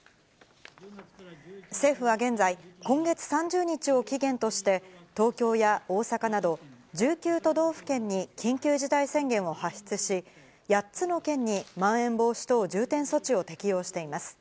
政府は現在、今月３０日を期限として東京や大阪など、１９都道府県に緊急事態宣言を発出し、８つの県にまん延防止等重点措置を適用しています。